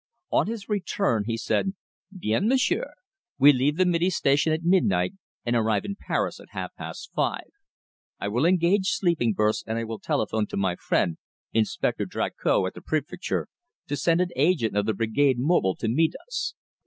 On his return he said: "Bien, m'sieur. We leave the Midi Station at midnight and arrive in Paris at half past five. I will engage sleeping berths, and I will telephone to my friend, Inspector Dricot, at the Préfecture, to send an agent of the brigade mobile to meet us.